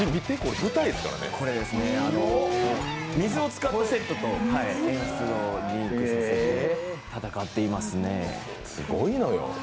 水を使ったセットと演出をリンクさせて戦っていますね。